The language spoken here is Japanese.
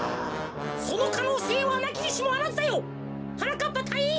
そのかのうせいはなきにしもあらずだよ！はなかっぱたいいん！